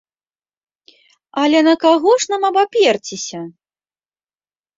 Але на каго ж нам абаперціся?